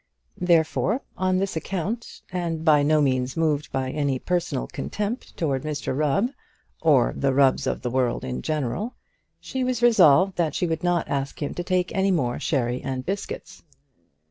Therefore, on this account, and by no means moved by any personal contempt towards Mr Rubb, or the Rubbs of the world in general, she was resolved that she would not ask him to take any more sherry and biscuits.